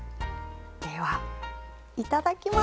ではいただきます。